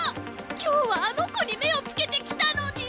今日はあの子に目をつけて来たのに！